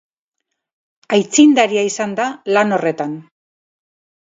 Aitzindaria izan da lan horretan.